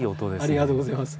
ありがとうございます。